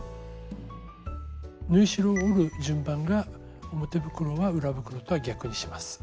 縫い代を折る順番が表袋は裏袋とは逆にします。